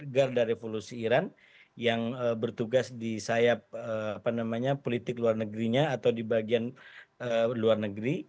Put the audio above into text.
garda revolusi iran yang bertugas di sayap politik luar negerinya atau di bagian luar negeri